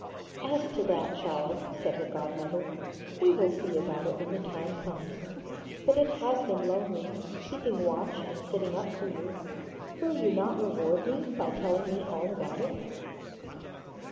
'As to that, child,' said her godmother, 'we will see about it when the time comes. But it has been lonely, keeping watch and sitting up for you. Will you not reward me by telling all about it?'